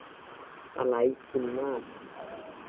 สไลด์คุ้นมาก